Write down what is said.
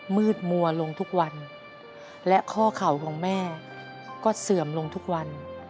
มืดมัวลงทุกวันและข้อเข่าของแม่ก็เสื่อมลงทุกวัน